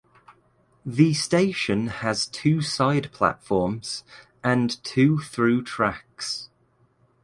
The station has two side platforms and two through tracks.